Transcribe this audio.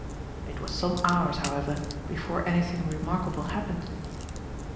It was some hours, however, before anything remarkable happened.